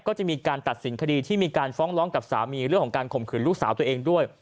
ก็จะมีการตัดสินคดีที่มีการฟ้องร้องกับสามีเรื่องของการข่มขืนลูกสาวตัวเองด้วย